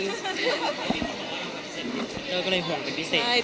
เตอร์ก็เลยห่วงเป็นพิเศษ